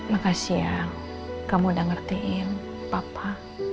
makasih ya kamu udah ngertiin papa